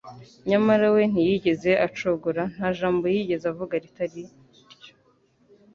Nyamara we ntiyigeze acogora. Nta jambo yigeze avuga ritari iryo